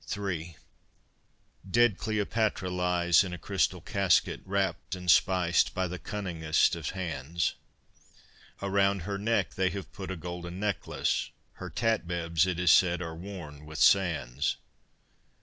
III Dead Cleopatra lies in a crystal casket, Wrapped and spiced by the cunningest of hands. Around her neck they have put a golden necklace, Her tatbebs, it is said, are worn with sands.